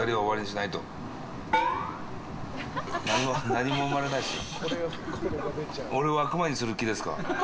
何も生まれないですよ。